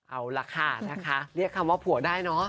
เอาล่ะค่ะนะคะเรียกคำว่าผัวได้เนอะ